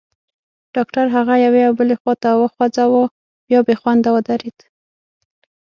ډاکټر هغه یوې او بلې خواته وخوځاوه، بیا بېخونده ودرېد.